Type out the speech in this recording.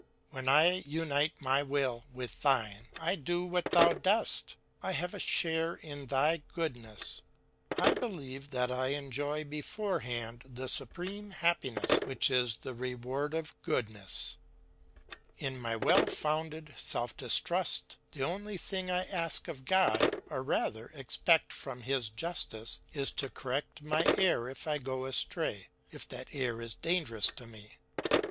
When I unite my will with thine, I do what thou doest; I have a share in thy goodness; I believe that I enjoy beforehand the supreme happiness which is the reward of goodness. In my well founded self distrust the only thing that I ask of God, or rather expect from his justice, is to correct my error if I go astray, if that error is dangerous to me.